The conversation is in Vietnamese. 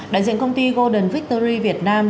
đại diện công ty golden victory việt nam